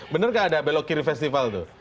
benar gak ada belok kiri festival itu